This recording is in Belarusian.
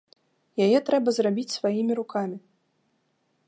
Яе трэба зрабіць сваімі рукамі!